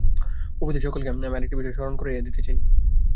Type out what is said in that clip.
উপস্থিত সকলকে আমি আর একটি বিষয় স্মরণ করাইয়া দিতে চাই।